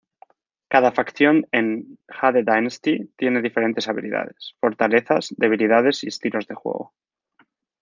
Cada facción en Jade Dynasty tiene diferentes habilidades, fortalezas, debilidades y estilos de juego.